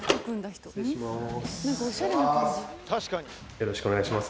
よろしくお願いします。